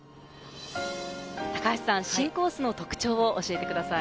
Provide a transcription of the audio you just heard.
高橋さん、新コースの特徴を教えてください。